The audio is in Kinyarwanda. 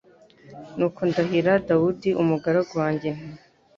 nuko ndahira Dawudi umugaragu wanjye nti